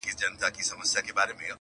د ملالۍ له پلوونو سره لوبي کوي!!